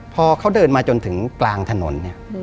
พอเขาเดินมาจนถึงกลางถนน